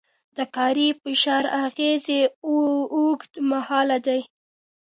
د کاري فشار اغېزې اوږدمهاله دي.